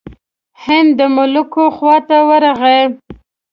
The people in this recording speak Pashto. هند د ملوکو خواته ورغی.